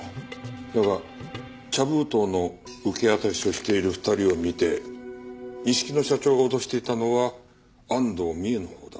だが茶封筒の受け渡しをしている２人を見て錦野社長が脅していたのは安藤美絵のほうだ。